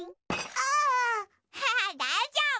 アハハだいじょうぶ。